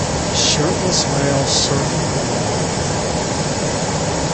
Shirtless male surfing a wave.